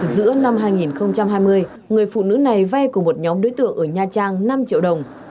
giữa năm hai nghìn hai mươi người phụ nữ này vay của một nhóm đối tượng ở nha trang năm triệu đồng